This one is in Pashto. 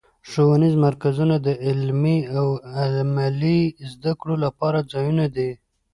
ښوونیز مرکزونه د علمي او عملي زدهکړو لپاره ځایونه دي.